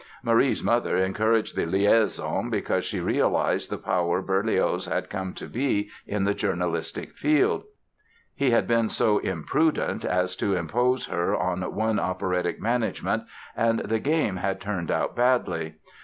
Marie's mother encouraged the liaison because she realized the power Berlioz had come to be in the journalistic field. He had been so imprudent as to impose her on one operatic management and the game had turned out badly.